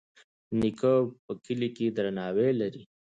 نیکه په کلي کې درناوی لري.